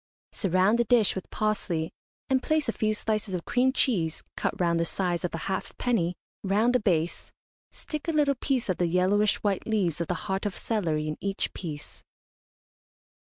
Surround the dish with parsley, and place a few slices of cream cheese, cut round the size of a halfpenny, round the base, stick a little piece of the yellowish white leaves of the heart of celery in each piece.